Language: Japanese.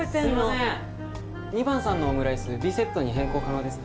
２番さんのオムライスＢセットに変更可能ですか？